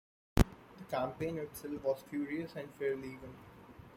The campaign itself was furious and fairly even.